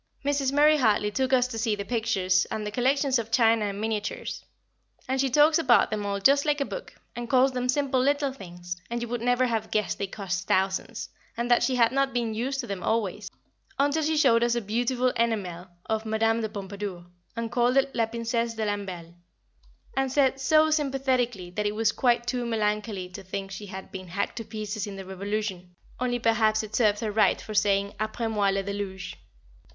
[Sidenote: An Amusing Mistake] Mrs. Murray Hartley took us to see the pictures and the collections of china and miniatures; and she talks about them all just like a book, and calls them simple little things, and you would never have guessed they cost thousands, and that she had not been used to them always, until she showed us a beautiful enamel of Madame de Pompadour, and called it the Princesse de Lamballe, and said so sympathetically that it was quite too melancholy to think she had been hacked to pieces in the Revolution; only perhaps it served her right for saying "_Après moi le déluge!